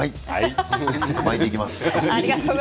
巻いてきます。